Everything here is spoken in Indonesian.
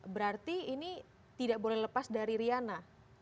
berarti ini tidak boleh lepas dari riana